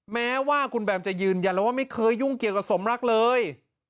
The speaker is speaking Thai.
แม้ว่าคุณแบมจะยืนยันแล้วว่าไม่เคยยุ่งเกี่ยวกับสมรักเลย